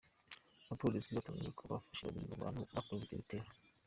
Abapolisi batangaje ko bafashe babiri mu bantu bakoze icyo gitero.